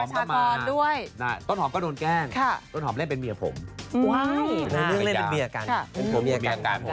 เป็นเครื่องเล่นเป็นเมียกัน